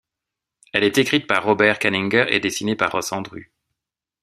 Elle est écrite par Robert Kanigher et dessinée par Ross Andru.